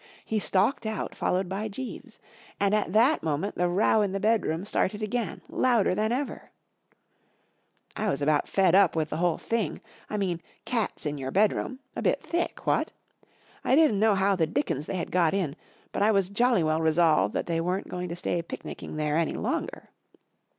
He stalked out, followed by Jeeves, And at that moment the row in the bedroom started again, louder than ever, T was about fed up with the whole thing. I mean, cats in your bedroom— a bit thick, what ? I didn't know how the dickens they had got in, but I was jolly well resolved that they weren't going to stay picknicking there any longer.